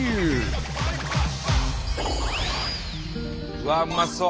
うわっうまそう！